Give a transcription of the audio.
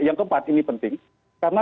yang keempat ini penting karena